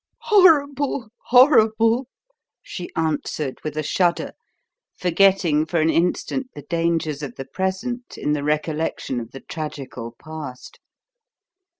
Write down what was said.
"Horrible! horrible!" she answered, with a shudder, forgetting for an instant the dangers of the present in the recollection of the tragical past.